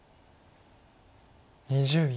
２０秒。